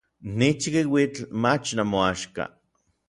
Ni chikiuitl mach namoaxka.